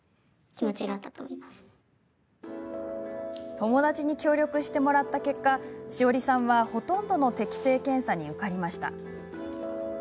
友達に協力してもらった結果しおりさんは、ほとんどの適正検査に受かりました。